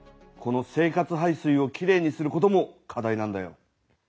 この生活排水をきれいにすることも課題なんだよ。